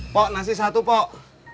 pok nasi satu pok